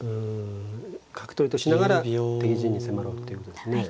角取りとしながら敵陣に迫ろうっていうことですね。